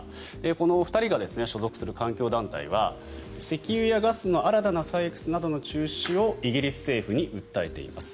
この２人が所属する環境団体は石油やガスの新たな採掘などの中止をイギリス政府に訴えています。